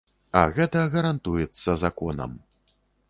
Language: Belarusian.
А гэта гарантуецца законам.